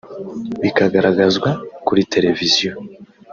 bikagaragazwa kuri televiziyo